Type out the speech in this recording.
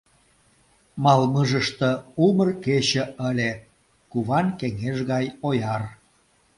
Малмыжыште умыр кече ыле, куван кеҥеж гай ояр.